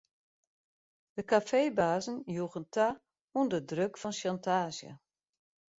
De kafeebazen joegen ta ûnder druk fan sjantaazje.